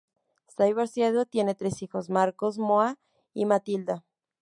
Está divorciado y tiene tres hijos: Marcus, Moa y Matilda.